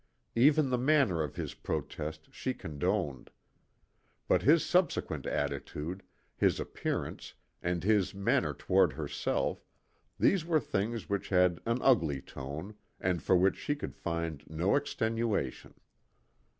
Even the manner of his protest she condoned. But his subsequent attitude, his appearance, and his manner toward herself, these were things which had an ugly tone, and for which she could find no extenuation.